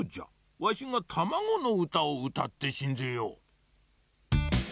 わしがたまごのうたをうたってしんぜよう。